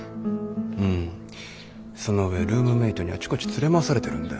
うんその上ルームメートにあちこち連れ回されてるんだよ。